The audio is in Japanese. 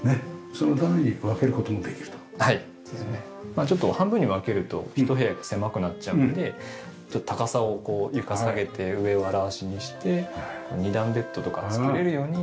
まあちょっと半分に分けるとひと部屋が狭くなっちゃうんで高さをこう床下げて上をあらわしにして２段ベッドとか作れるように。